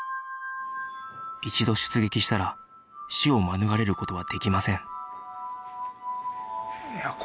一度出撃したら死を免れる事はできません